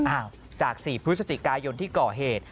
จาก๔พฤศจิกายนที่ก่อเหตุ